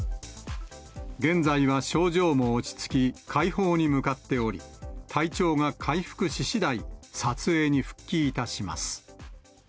現在は症状も落ち着き、快方に向かっており、体調が回復ししだい、撮影に復帰いたします。